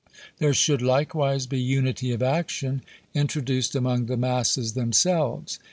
There should, likewise, be unity of action introduced among the masses themselves.